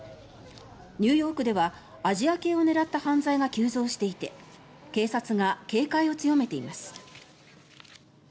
ニューヨークではアジア系を狙った犯罪が急増していて警察が警戒を強めています。